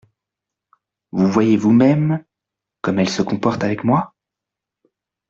Vous voyez vous-même comme elle se comporte avec moi.